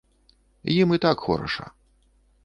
Ім і так хораша.